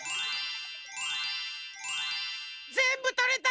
ぜんぶとれた！